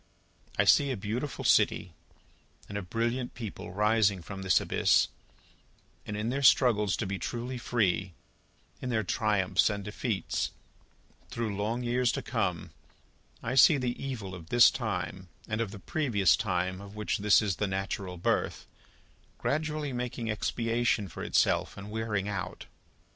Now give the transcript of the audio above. I see a beautiful city and a brilliant people rising from this abyss, and, in their struggles to be truly free, in their triumphs and defeats, through long years to come, I see the evil of this time and of the previous time of which this is the natural birth, gradually making expiation for itself and wearing out.